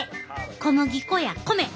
小麦粉や米。